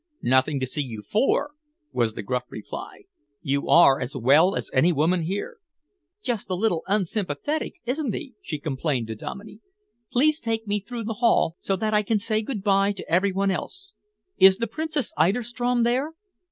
"Nothing to see you for," was the gruff reply. "You are as well as any woman here." "Just a little unsympathetic, isn't he?" she complained to Dominey. "Please take me through the hall, so that I can say good bye to every one else. Is the Princess Eiderstrom there?"